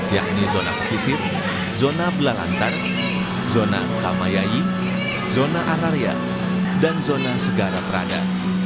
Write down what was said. yakni zona pesisir zona belalantar zona kamayai zona anaria dan zona segara perada